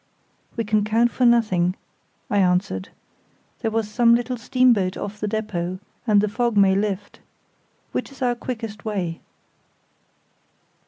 "We can count for nothing," I answered. "There was some little steamboat off the depôt, and the fog may lift. Which is our quickest way?"